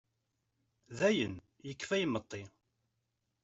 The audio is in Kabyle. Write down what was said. Dayen, yekfa imeṭṭi.